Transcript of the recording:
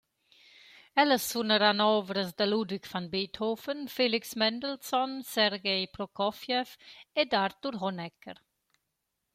Ellas sunaran ouvras da Ludwig van Beethoven, Felix Mendelssohn, Sergej Prokofjew ed Arthur Honegger.